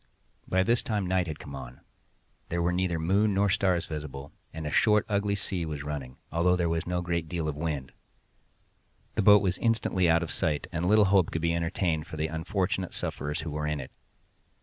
By this time night had come on—there were neither moon nor stars visible—and a short and ugly sea was running, although there was no great deal of wind. The boat was instantly out of sight, and little hope could be entertained for the unfortunate sufferers who were in it.